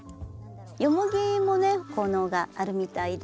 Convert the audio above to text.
ヨモギもね効能があるみたいで。